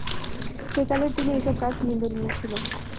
সেকালের দিনে এসব কাজ নিন্দনীয় ছিল।